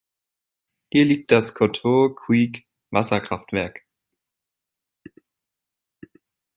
Hier liegt das "Coteau Creek"-Wasserkraftwerk.